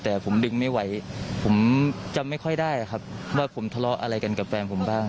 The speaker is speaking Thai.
แต่ผมดึงไม่ไหวผมจำไม่ค่อยได้ครับว่าผมทะเลาะอะไรกันกับแฟนผมบ้าง